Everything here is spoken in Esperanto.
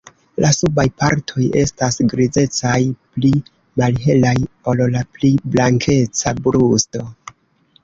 La subaj partoj estas grizecaj, pli malhelaj ol la pli blankeca brusto.